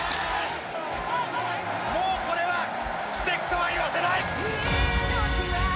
もうこれは奇跡とは言わせない！